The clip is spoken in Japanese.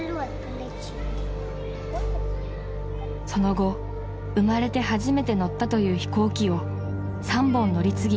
［その後生まれて初めて乗ったという飛行機を３本乗り継ぎ